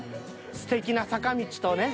すてきな坂道とね